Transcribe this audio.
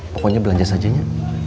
pokoknya belanja sajanya